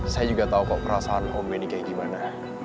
saya juga tau kok perasaan om benny kayak gimana